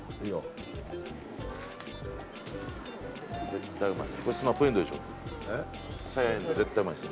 絶対うまいっす。